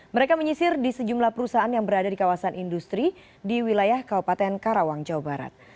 mereka menyisir di sejumlah perusahaan yang berada di kawasan industri di wilayah kabupaten karawang jawa barat